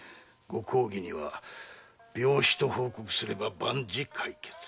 ご公儀には「病死」と報告すれば万事解決。